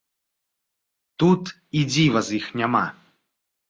Тут і дзіва з іх няма.